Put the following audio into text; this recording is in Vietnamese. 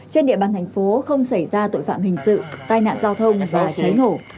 trên địa bàn thành phố không xảy ra tội phạm hình sự tai nạn giao thông và cháy nổ